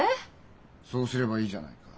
そうすればいいじゃないか。